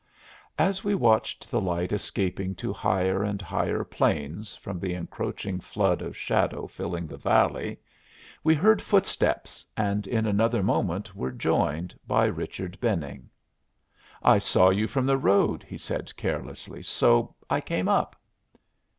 As we watched the light escaping to higher and higher planes from the encroaching flood of shadow filling the valley we heard footsteps, and in another moment were joined by Richard Benning. "I saw you from the road," he said carelessly; "so I came up."